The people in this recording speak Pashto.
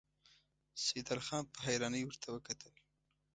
سيدال خان په حيرانۍ ورته وکتل.